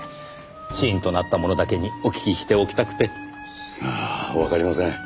死因となったものだけにお聞きしておきたくて。さあわかりません。